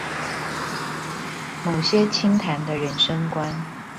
某些清談的人生觀